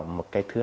một cái thứ hai